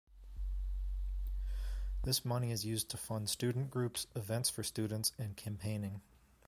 This money is used to fund student groups, events for students and campaigning.